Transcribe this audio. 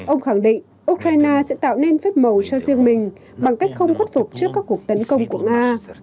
ông khẳng định ukraine sẽ tạo nên phép màu cho riêng mình bằng cách không khuất phục trước các cuộc tấn công của nga